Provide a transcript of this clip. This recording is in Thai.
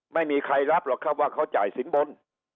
ไม่มีใครรับหรอกครับว่าเขาจ่ายสินบน